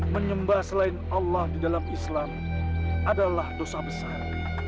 menyembah selain allah di dalam islam adalah dosa besar